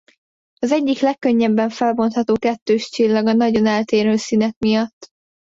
Az egyik legkönnyebben felbontható kettőscsillag a nagyon eltérő színek miatt.